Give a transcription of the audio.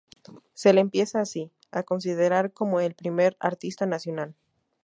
Se le empieza así, a considerar como el primer artista nacional.